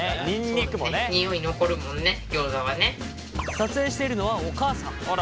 撮影しているのはお母さん。